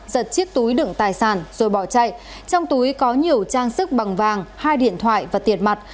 giật chiếc túi đựng tài sản rồi bỏ chạy trong túi có nhiều trang sức bằng vàng hai điện thoại và tiền mặt